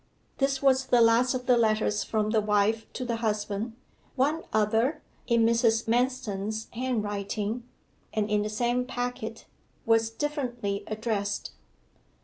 This was the last of the letters from the wife to the husband. One other, in Mrs. Manston's handwriting, and in the same packet, was differently addressed.